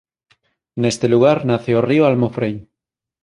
Neste lugar nace o río Almofrei.